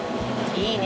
いいね